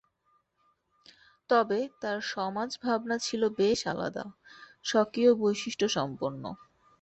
তবে তার সমাজ ভাবনা ছিল বেশ আলাদা, স্বকীয় বৈশিষ্ট্য সম্পন্ন।